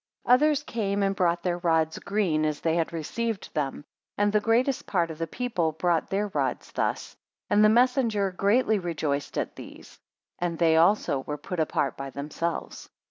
10 Others came, and brought their rods green as they had received them, and the greatest part of the people brought their rods thus; and the messenger greatly rejoiced at these, and they also were put apart by themselves.